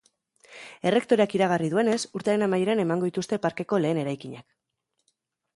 Errektoreak iragarri duenez, urtearen amaieran emango dituzte parkeko lehen eraikinak.